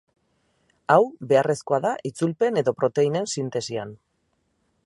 Hau, beharrezkoa da itzulpen edo proteinen sintesian.